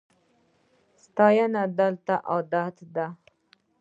ستاینه دلته عادت ده.